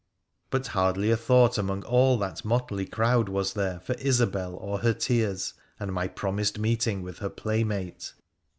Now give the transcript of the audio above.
But hardly a thought among all that motley crowd was there for Isobel or her tears, and my promised meeting with her playmate.